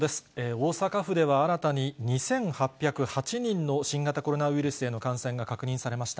大阪府では新たに２８０８人の新型コロナウイルスへの感染が確認されました。